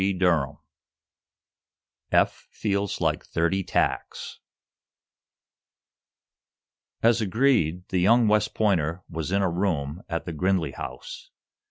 CHAPTER VIII EPH FEELS LIKE THIRTY TACKS As agreed, the young West Pointer was in a room at the Grindley House.